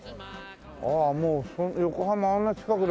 ああもう横浜あんな近くなんだ。